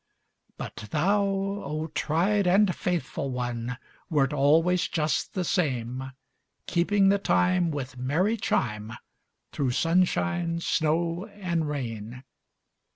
But thou, oh, tried and faithful one, Wert always just the same, Keeping the time with merry chime Through sunshine, snow, and rain.